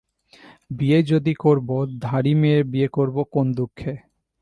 বিয়েই যদি করব, ধাড়ি মেয়ে বিয়ে করব কোন দুঃখে?